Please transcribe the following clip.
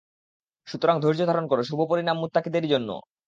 সুতরাং ধৈর্যধারণ কর, শুভ পরিণাম মুত্তাকীদেরই জন্য।